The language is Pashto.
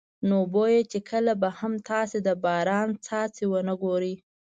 نو بویه چې کله به هم تاسې د باران څاڅکي ونه ګورئ.